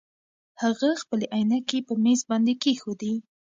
هغه خپلې عینکې په مېز باندې کېښودې.